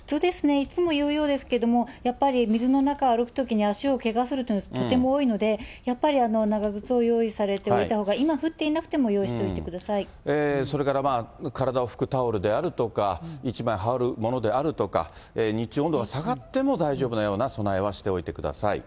いつも言うようですけど、やっぱり水の中歩くときに、足をけがすることがとても多いので、やはり長靴を用意しておいたほうが、今、降っていなくても用意しそれから体をふくタオルであるとか、一枚はおるものであるとか、日中温度が下がっても大丈夫なような備えはしておいてください。